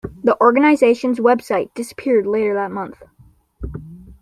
The organization's web site disappeared later that month.